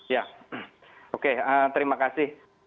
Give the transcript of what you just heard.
ya oke terima kasih